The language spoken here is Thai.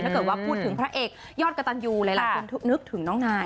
ถ้าเกิดว่าพูดถึงพระเอกยอดกระตันยูหลายคนนึกถึงน้องนาย